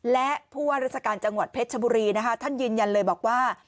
และผู้ว่าราชการจังหวัดเพชรชบุรีนะคะท่านยืนยันเลยบอกว่า